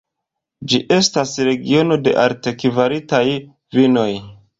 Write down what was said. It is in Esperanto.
Ĝi estas regiono de altkvalitaj vinoj.